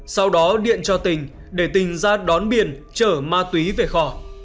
sau đó điện cho tình để tình ra đón biên chở ma túy về khò